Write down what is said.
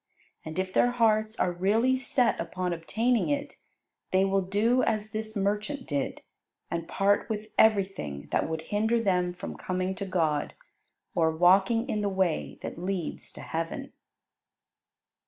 And if their hearts are really set upon obtaining it, they will do as this merchant did, and part with everything that would hinder them from coming to God, or walking in the way that leads to heaven.